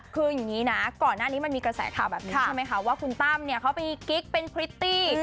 คืออย่างนี้นะก่อนหน้านี้มันมีกระแสข่าวแบบนี้ใช่ไหมคะว่าคุณตั้มเนี่ยเขามีกิ๊กเป็นพริตตี้